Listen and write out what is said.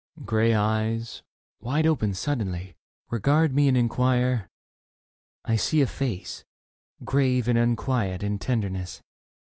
! Grey eyes, wide open suddenly, Regard me and enquire ; I see a face Grave and unquiet in tenderness.